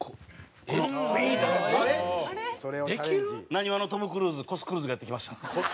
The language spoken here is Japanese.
なにわのトム・クルーズコス・クルーズがやってきました。